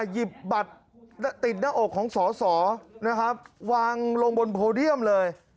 หยิบบัตรติดหน้าอกของสอสอนะครับวางลงบนโพเดียมเลย